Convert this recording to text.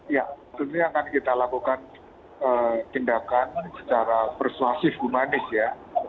ya tentunya akan kita lakukan tindakan secara persuasif humanis ya